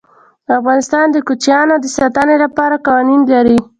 افغانستان د کوچیان د ساتنې لپاره قوانین لري.